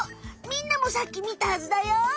みんなもさっき見たはずだよ。